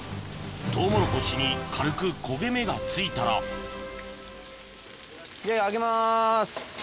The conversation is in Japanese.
トウモロコシに軽く焦げ目が付いたらいよいよ上げます。